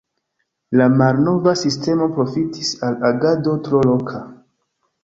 La malnova sistemo profitis al agado tro loka.